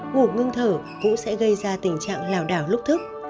ngủ ngưng thở cũng sẽ gây ra tình trạng lừa đảo lúc thức